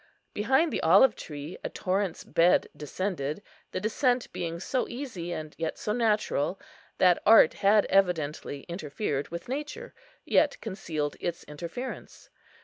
Behind the olive tree a torrent's bed descended; the descent being so easy, and yet so natural, that art had evidently interfered with nature, yet concealed its interference.